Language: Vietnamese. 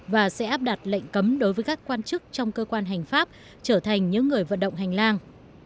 và sẽ áp đặt lệnh cấm đối với các quan chức trong cơ quan hành pháp trở thành những người vận động hành lang